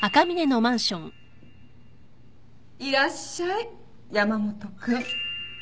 いらっしゃい山本君。